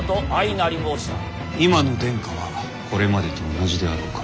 今の殿下はこれまでと同じであろうか。